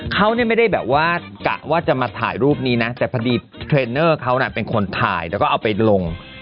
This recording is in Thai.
เขาเนี่ยไม่ได้แบบว่ากะว่าจะมาถ่ายรูปนี้นะแต่พอดีเทรนเนอร์เขาน่ะเป็นคนถ่ายแล้วก็เอาไปลง